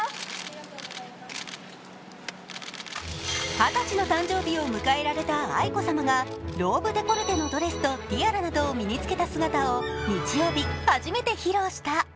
二十歳の誕生日を迎えられた愛子さまがローブデコルテのドレスとティアラなどを身につけた姿を日曜日、初めて披露した。